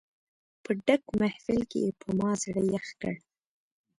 په ډک محفل کې یې په ما زړه یخ کړ.